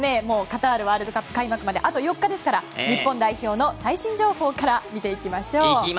カタールワールドカップ開幕まであと４日ですから、日本代表の最新情報から見ていきましょう。